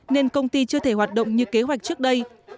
nên công ty chưa thể hoạt động như kế hoạch trước đây